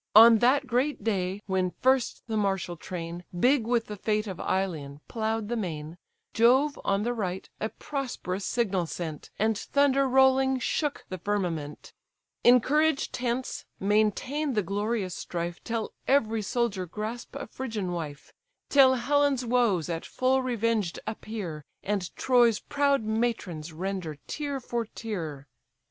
On that great day, when first the martial train, Big with the fate of Ilion, plough'd the main, Jove, on the right, a prosperous signal sent, And thunder rolling shook the firmament. Encouraged hence, maintain the glorious strife, Till every soldier grasp a Phrygian wife, Till Helen's woes at full revenged appear, And Troy's proud matrons render tear for tear.